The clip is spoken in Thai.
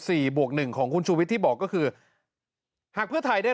บวกหนึ่งของคุณชูวิทย์ที่บอกก็คือหากเพื่อไทยได้